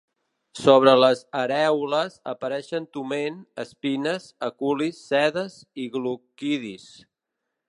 Sobre les arèoles apareixen toment, espines, aculis, sedes i gloquidis.